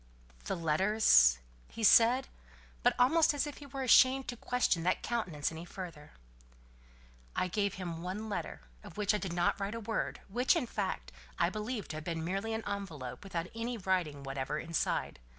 "The letters?" he said, but almost as if he were ashamed to question that countenance any further. "I gave him one letter, of which I did not write a word, which, in fact, I believe to have been merely an envelope, without any writing whatever inside.